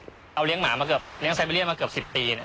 อืมเอาเลี้ยงหมามาเกือบเลี้ยงไซบีเรียนมาเกือบสิบปีเนี้ย